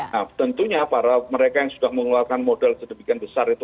nah tentunya para mereka yang sudah mengeluarkan modal sedemikian besar itu